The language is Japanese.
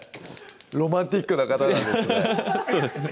ロマンチックな方なんですね